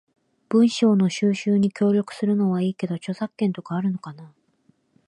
文章の収集に協力するのはいいけど、著作権とかあるのかな？